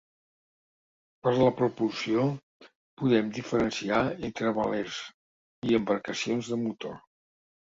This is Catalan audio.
Per la propulsió podem diferenciar entre velers i embarcacions de motor.